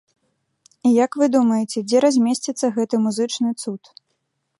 І як вы думаеце, дзе размесціцца гэты музычны цуд?